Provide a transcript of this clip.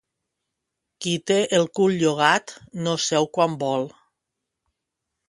Qui té el cul llogat, no seu quan vol.